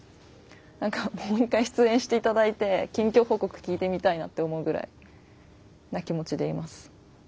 何かもう一回出演していただいて近況報告聞いてみたいなって思うぐらいな気持ちでいます。